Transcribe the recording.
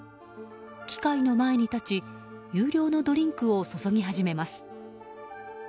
機械の前に立ち有料のドリンクを注ぎ始めます。